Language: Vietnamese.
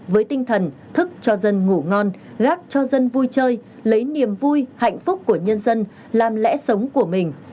với tinh thần thức cho dân ngủ ngon gác cho dân vui chơi lấy niềm vui hạnh phúc của nhân dân làm lẽ sống của mình